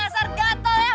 eh dasar gatel ya